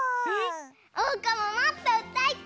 おうかももっとうたいたい！